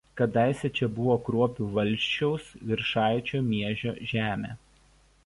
Kadaise čia buvo Kruopių valsčiaus viršaičio Miežio žemė.